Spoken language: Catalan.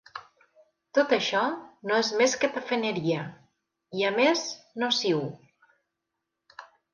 Tot això no és més que tafaneria, i a més nociu.